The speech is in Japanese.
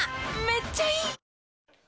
めっちゃいい！